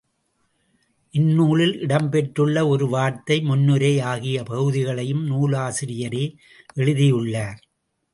இந்நூலில் இடம்பெற்றுள்ள ஒரு வார்த்தை, முன்னுரை ஆகிய பகுதிகளையும் நூலாசிரியரே எழுதியுள்ளார்.